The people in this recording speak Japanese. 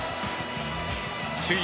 首位